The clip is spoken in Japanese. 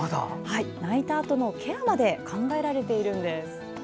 泣いたあとのケアまで考えられているんです。